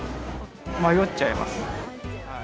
迷っちゃいますね。